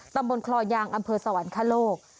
ตำบลคลองยางอำเภอสวรรคโลก